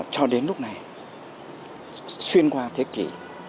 cho đến lúc này xuyên qua thế kỷ